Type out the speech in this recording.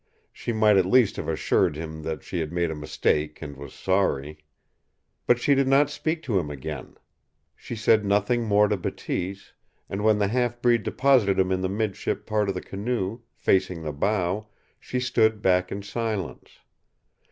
She might at least have assured him that she had made a mistake and was sorry. But she did not speak to him again. She said nothing more to Bateese, and when the half breed deposited him in the midship part of the canoe, facing the bow, she stood back in silence.